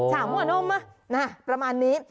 ชาหัวนมนะฮะประมาณนี้